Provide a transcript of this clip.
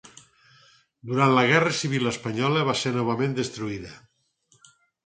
Durant la guerra civil espanyola va ser novament destruïda.